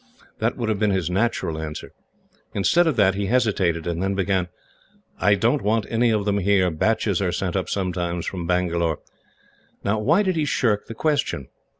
That would have been his natural answer. Instead of that he hesitated, and then began, 'I don't want any of them here; batches are sent up sometimes from Bangalore.' Now, why did he shirk the question?